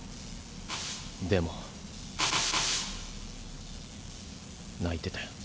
でも泣いてたよ。